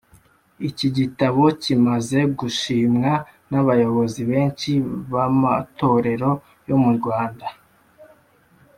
iki gitabo kimaze gushimwa n’abayobozi benshi b’amatorero yo mu Rwanda,